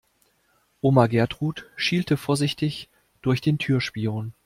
Oma Gertrud schielte vorsichtig durch den Türspion.